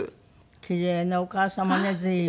奇麗なお母様ね随分。